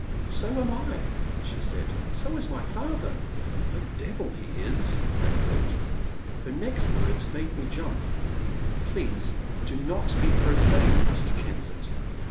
So am I, " she said. *' So is my father. ''The devil he is," I thought. Her next words made me jump. Please do not be profane, Mr. Kensett."